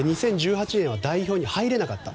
２０１８年には代表に入れなかった。